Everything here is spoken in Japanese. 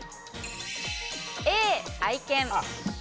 Ａ・愛犬。